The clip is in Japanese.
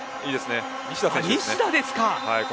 西田ですか。